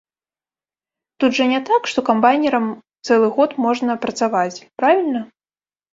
Тут жа не так, што камбайнерам цэлы год можна працаваць, правільна?